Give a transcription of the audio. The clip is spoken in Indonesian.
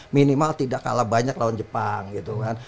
minimal tidak kalah banyak lawan jepang gitu kan